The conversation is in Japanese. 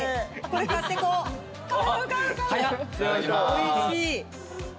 おいしい。